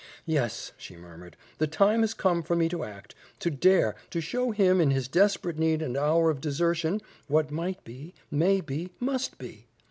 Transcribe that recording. "Yes," she murmured, "the time has come for me to act, to dare, to show him in his desperate need and hour of desertion what might be, may be, must be.